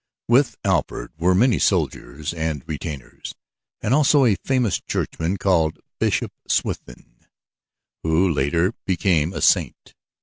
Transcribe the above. With Alfred were many soldiers and retainers, and also a famous churchman called Bishop Swithin who later became a saint.